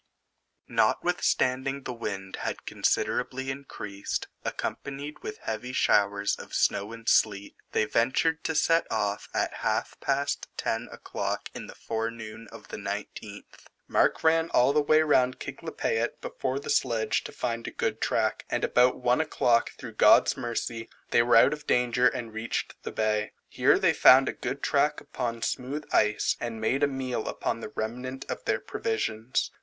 Notwithstanding the wind had considerably increased, accompanied with heavy showers of snow and sleet, they ventured to set off at half past ten o'clock in the forenoon of the 19th. Mark ran all the way round Kiglapeit before the sledge to find a good track, and about one o'clock, through God's mercy, they were out of danger and reached the Bay. Here they found a good track upon smooth ice, and made a meal upon the remnant of their provisions.